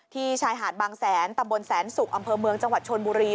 ชายหาดบางแสนตำบลแสนสุกอำเภอเมืองจังหวัดชนบุรี